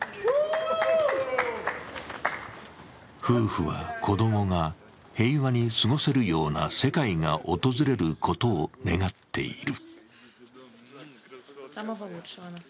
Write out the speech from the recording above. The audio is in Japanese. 夫婦は子供が平和に過ごせるような世界が訪れることを願っている。